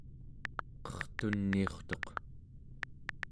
qertuniurtuq